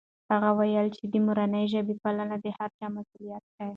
هغه وویل چې د مورنۍ ژبې پالنه د هر چا مسؤلیت دی.